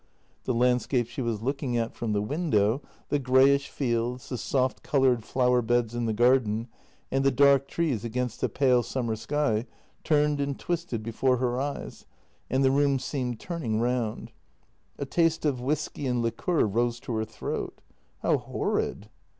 The landscape she was looking at from the window, the greyish fields, the soft coloured flower beds in the garden, and the dark trees against the pale summer sky turned and twisted before her eyes, and the room seemed turning round. A taste of whisky and liqueur rose to her throat. How horrid